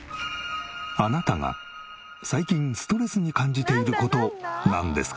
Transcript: あなたが最近ストレスに感じている事なんですか？